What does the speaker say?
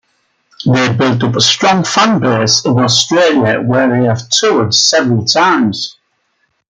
They built up a strong fanbase in Australia where they have toured several times.